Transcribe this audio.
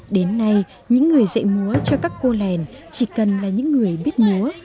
đến nay những người dạy múa cho các cô lèn chỉ cần là những người biết múa